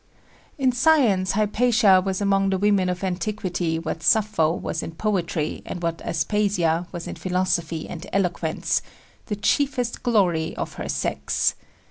In science Hypatia was among the women of antiquity what Sappho was in poetry and what Aspasia was in philosophy and eloquence the chiefest glory of her sex.